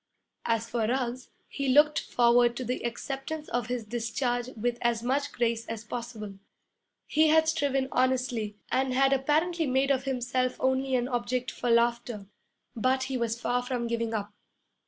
As for Ruggs, he looked forward to the acceptance of his discharge with as much grace as possible. He had striven honestly, and had apparently made of himself only an object for laughter, but he was far from giving up.